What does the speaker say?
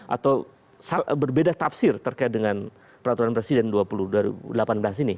atau berbeda tafsir terkait dengan peraturan presiden dua ribu delapan belas ini